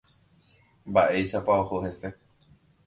Mba'éichapa oho hese.